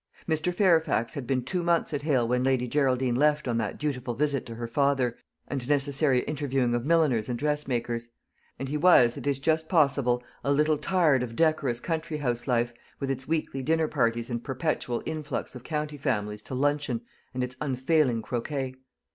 Mr. Fairfax had been two months at Hale when Lady Geraldine left on that dutiful visit to her father, and necessary interviewing of milliners and dressmakers; and he was, it is just possible, a little tired of decorous country house life, with its weekly dinner parties and perpetual influx of county families to luncheon, and its unfailing croquet.